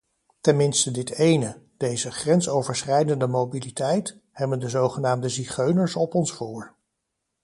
Ten minste dit ene, deze grensoverschrijdende mobiliteit, hebben de zogenaamde zigeuners op ons voor.